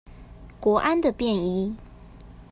國安的便衣